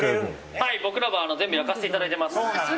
はい、僕らは全部焼かせていただいています。